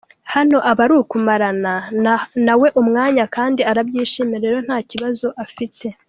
Hano aba ari ukumarana na we umwanya kandi arabyishimira rero nta kibazo afite.